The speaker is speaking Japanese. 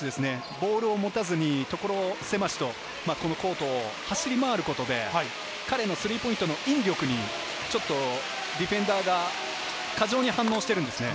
ボールを持たずに所狭しとこのコートを走り回ることで、彼のスリーポイントの引力にディフェンダーが過剰に反応しているんですね。